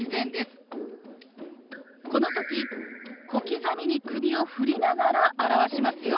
この時小刻みに首を振りながら表しますよ。